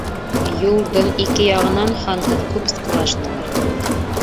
Юлдың ике яғынан һанһыҙ күп скважиналар күренде.